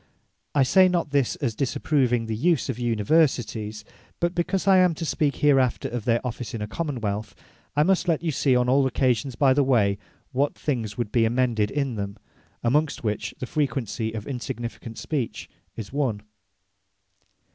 I say not this, as disapproving the use of Universities: but because I am to speak hereafter of their office in a Common wealth, I must let you see on all occasions by the way, what things would be amended in them; amongst which the frequency of insignificant Speech is one.